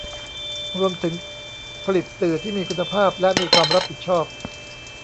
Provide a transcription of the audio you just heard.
รวมถึงผลิตสื่อที่มีคุณภาพและมีความรับผิดชอบ